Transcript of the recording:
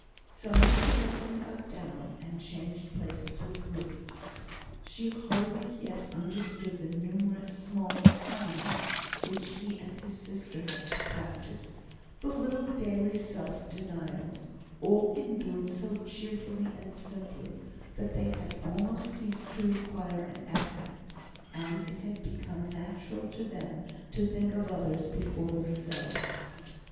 So Mr Benson got down, and changed places with Ruth. She hardly yet understood the numerous small economies which he and his sister had to practise the little daily self denials, all endured so cheerfully, and simply, that they had almost ceased to require an effort, and it had become natural to them to think of others before themselves.